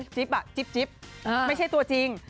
จิปอ่ะจิปไม่ใช่ตัวจริง